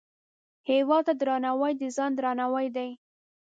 هیواد ته درناوی، د ځان درناوی دی